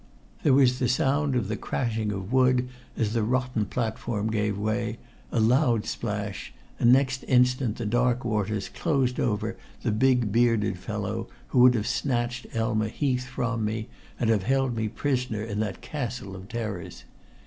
There was the sound of the crashing of wood as the rotten platform gave way, a loud splash, and next instant the dark waters closed over the big, bearded fellow who would have snatched Elma Heath from me, and have held me prisoner in that castle of terrors.